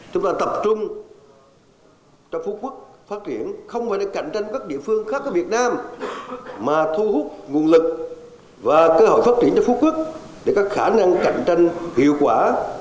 chúng ta tập trung cho phú quốc phát triển không phải để cạnh tranh với các địa phương khác của việt nam mà thu hút nguồn lực và cơ hội phát triển cho phú quốc để có khả năng cạnh tranh hiệu quả